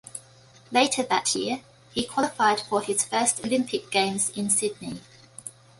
Later that year he qualified for his first Olympic Games in Sydney.